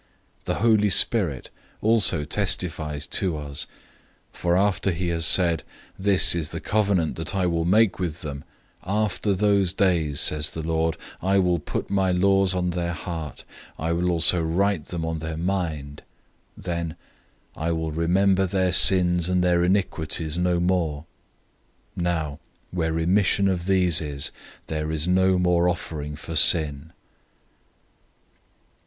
010:015 The Holy Spirit also testifies to us, for after saying, 010:016 "This is the covenant that I will make with them: 'After those days,' says the Lord, 'I will put my laws on their heart, I will also write them on their mind;'"{Jeremiah 31:33} then he says, 010:017 "I will remember their sins and their iniquities no more."{Jeremiah 31:34} 010:018 Now where remission of these is, there is no more offering for sin.